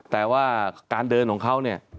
แต่ว่าการเดินของเขาเนี่ย